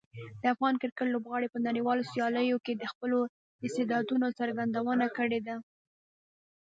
د افغان کرکټ لوبغاړي په نړیوالو سیالیو کې د خپلو استعدادونو څرګندونه کړې ده.